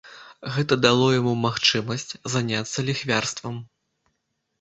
Гэта дало яму магчымасць заняцца ліхвярствам.